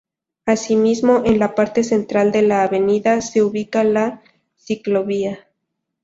Asimismo, en la parte central de la avenida se ubica la ciclovía.